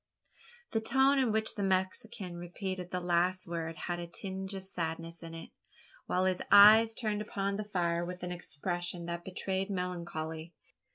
The tone in which the Mexican repeated the last words had a tinge of sadness in it while his eyes turned upon the fire with an expression that betrayed melancholy.